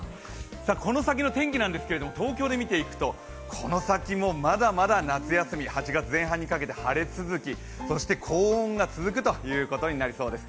この先の天気なんですけれども東京で見ていくとこの先もまだまだ夏休み８月前半にかけて晴れ続き、そして高温が続くということになりそうです。